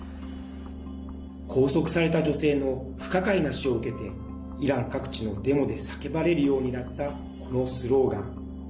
拘束された女性の不可解な死を受けてイラン各地のデモで叫ばれるようになったこのスローガン。